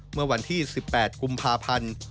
เมื่อวันที่๑๘กุมภาพันธ์